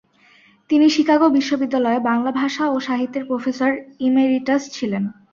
তিনি শিকাগো বিশ্ববিদ্যালয়ে বাংলা ভাষা ও সাহিত্যের প্রফেসর ইমেরিটাস ছিলেন।